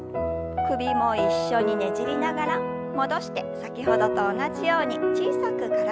首も一緒にねじりながら戻して先ほどと同じように小さく体をねじります。